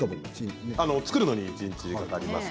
作るのに、一日かかります。